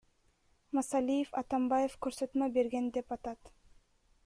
Масалиев Атамбаев көрсөтмө берген деп атат.